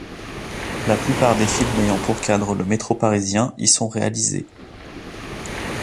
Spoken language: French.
La plupart des films ayant pour cadre le métro parisien y sont réalisés.